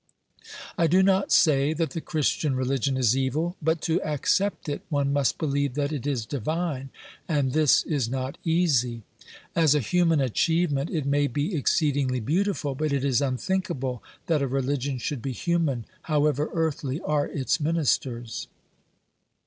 I do not say that the Christian religion is evil, but to accept it one must believe that it is divine, and this is not easy. As a human achievement it may be exceedingly beautiful, but it is unthinkable that a religion should be human, however earthly are its ministers.